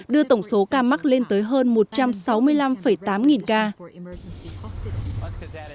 đưa tổng số ca mắc lên tới hơn một trăm sáu mươi năm tám nghìn ca